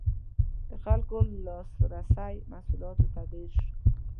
• د خلکو لاسرسی محصولاتو ته ډېر شو.